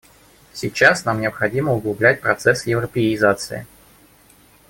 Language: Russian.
Сейчас нам необходимо углублять процесс европеизации.